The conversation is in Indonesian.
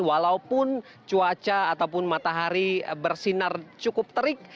walaupun cuaca ataupun matahari bersinar cukup terik